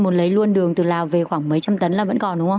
muốn lấy luôn đường từ lào về khoảng mấy trăm tấn là vẫn còn đúng không